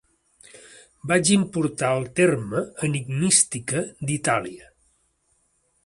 Vaig importar el terme enigmística d'Itàlia.